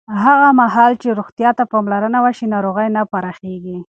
هغه مهال چې روغتیا ته پاملرنه وشي، ناروغۍ نه پراخېږي.